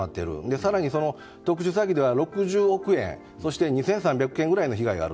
更に、特殊詐欺では６０億円そして２３００件くらいの被害がある。